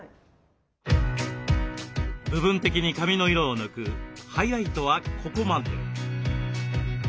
部分的に髪の色を抜くハイライトはここまで。